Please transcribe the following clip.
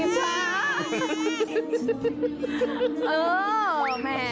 ชัก